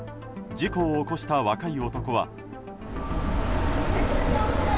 事故を起こした若い男は。